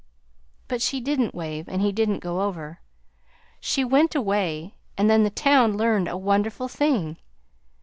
"But she didn't wave, and he didn't go over. She went away. And then the town learned a wonderful thing.